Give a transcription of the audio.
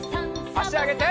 あしあげて。